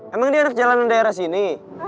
emang dia anak jalanan daerah sini